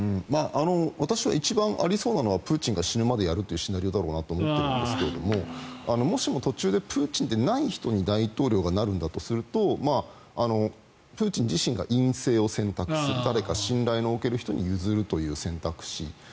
私は一番ありそうなのはプーチンが死ぬまでやるというシナリオだと思ってるんですがもしも途中でプーチンでない人が大統領になるんだとするとプーチン自身が院政を選択する誰か信頼のおける人に譲るという選択肢